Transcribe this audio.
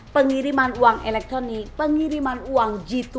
pengiriman uang elektronik pengiriman uang g dua puluh